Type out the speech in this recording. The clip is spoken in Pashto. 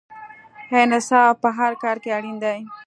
انصاف په هر کار کې اړین دی.